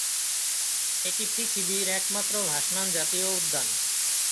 এটি পৃথিবীর একমাত্র ভাসমান জাতীয় উদ্যান।